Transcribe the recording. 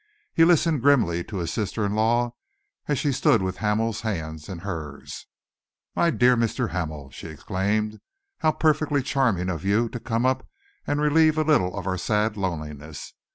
He listened grimly to his sister in law as she stood with Hamel's hands in hers. "My dear Mr. Hamel!" she exclaimed. "How perfectly charming of you to come up and relieve a little our sad loneliness!